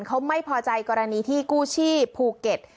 เขาไม่พอใจกรณีที่กู้ชีพภูเก็ต